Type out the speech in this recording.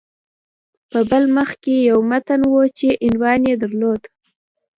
په بل مخ کې یو متن و چې عنوان یې درلود